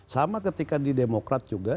sama ketika di demokrat juga